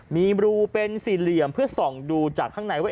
มีรูเป็นสี่เหลี่ยมเพื่อส่องดูจากข้างในว่า